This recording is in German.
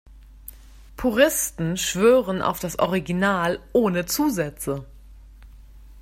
Puristen schwören auf das Original ohne Zusätze.